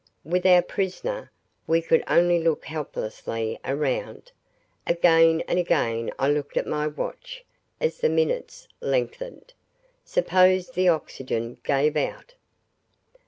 With our prisoner, we could only look helplessly around. Again and again I looked at my watch as the minutes lengthened. Suppose the oxygen gave out?